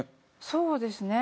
そうですね